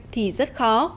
thì rất khó